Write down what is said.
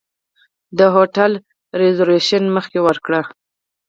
د هوټل ریزرویشن مخکې وکړئ.